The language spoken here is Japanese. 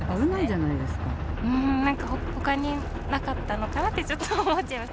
うーん、なんかほかになかったのかなって、ちょっと思っちゃいます。